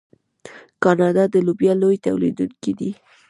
کاناډا د لوبیا لوی تولیدونکی دی.